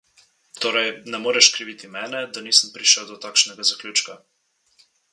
Torej, ne moreš kriviti mene, da nisem prišel do takšnega zaključka.